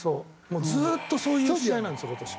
もうずっとそういう試合なんですよ今年。